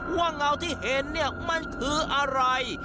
ว่าง่าวที่เห็นมันคืออะไร